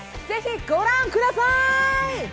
ぜひご覧ください。